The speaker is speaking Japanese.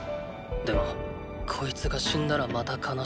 でもこいつが死んだらまた悲しくなる。